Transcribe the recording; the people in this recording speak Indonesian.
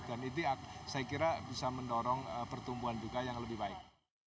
dan itu saya kira bisa mendorong pertumbuhan juga yang lebih baik